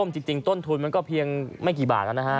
จริงต้นทุนมันก็เพียงไม่กี่บาทแล้วนะฮะ